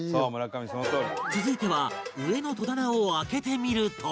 続いては上の戸棚を開けてみると